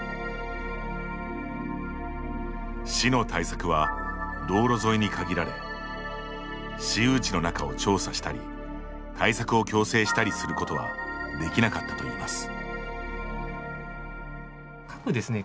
市の対策は道路沿いに限られ私有地の中を調査したり対策を強制したりすることはできなかったといいます。